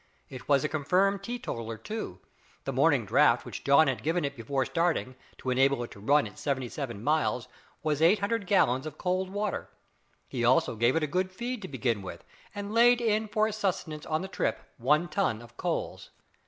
It was a confirmed teetotaller, too. The morning draught which John had given it before starting, to enable it to run its seventy seven miles, was 800 gallons of cold water. He also gave it a good feed to begin with, and laid in for its sustenance on the trip one ton of coals.